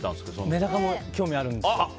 メダカも興味あるんですよ。